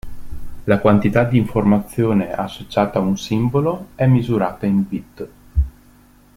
La quantità di informazione associata a un simbolo è misurata in bit.